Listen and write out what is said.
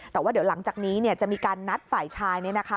แต่ว่าเดี๋ยวหลังจากนี้จะมีการนัดฝ่ายชาย